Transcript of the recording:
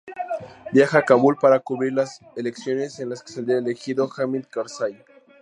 Viaja a Kabul para cubrir las elecciones en las que saldría elegido Hamid Karzai.